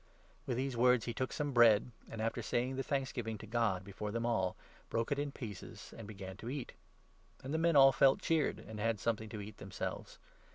With these words he took some bread, and, after saying the 35 thanksgiving to God before them all, broke it in pieces, and began to eat ; and the men all felt cheered and had something to 36 eat themselves.